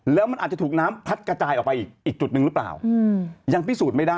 แล้วมันอาจจะถูกน้ำพัดกระจายออกไปอีกจุดหนึ่งหรือเปล่ายังพิสูจน์ไม่ได้